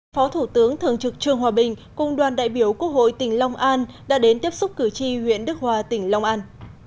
phó thủ tướng thường trực trương hòa bình cùng đoàn đại biểu quốc hội tỉnh long an đã đến tiếp xúc cử tri huyện đức hòa tỉnh long an